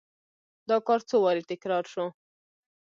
دا کار څو وارې تکرار شو.